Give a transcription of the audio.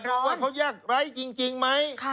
สำรวจว่าเขายากไร๊จริงไหม